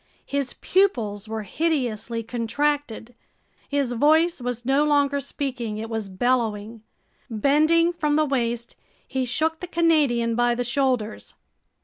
His pupils were hideously contracted. His voice was no longer speaking, it was bellowing. Bending from the waist, he shook the Canadian by the shoulders.